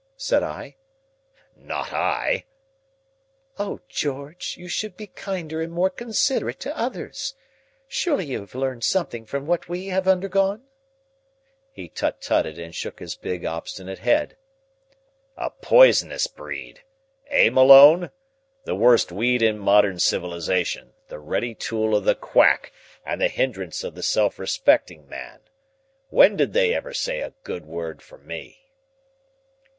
said I. "Not I." "Oh, George! You should be kinder and more considerate to others. Surely you have learned something from what we have undergone." He tut tutted and shook his big, obstinate head. "A poisonous breed! Eh, Malone? The worst weed in modern civilization, the ready tool of the quack and the hindrance of the self respecting man! When did they ever say a good word for me?"